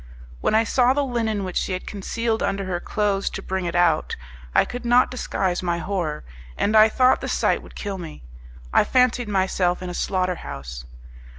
When I saw the linen which she had concealed under her clothes to bring it out, I could not disguise my horror, and I thought the sight would kill me. I fancied myself in a slaughter house!